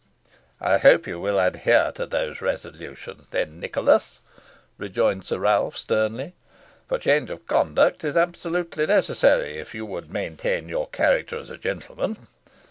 "I hope you will adhere to those resolutions, then, Nicholas," rejoined Sir Ralph, sternly; "for change of conduct is absolutely necessary, if you would maintain your character as a gentleman.